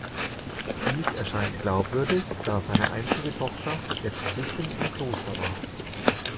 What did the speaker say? Dies erscheint glaubwürdig, da seine einzige Tochter Äbtissin im Kloster war.